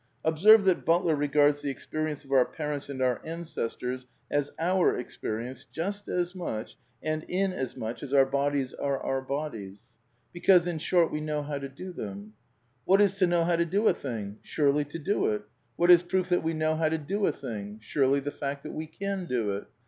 (Observe that Butler regards the experience of our parents and our ancestors as \ our experience just as much and in as much as our bodies PAN PSYCHISM OF SAMUEL BUTLER 17 are our bodies.) Because — in short — we know how to do them. " What is to know how to do a thing? Surely to do it. What is proof that we know how to do a thing? Surely the fact that we can do it.